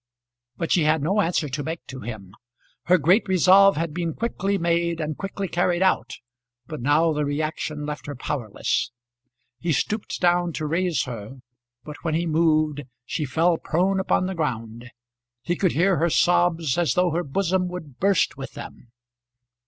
But she had no answer to make to him. Her great resolve had been quickly made and quickly carried out, but now the reaction left her powerless. He stooped down to raise her; but when he moved she fell prone upon the ground; he could hear her sobs as though her bosom would burst with them.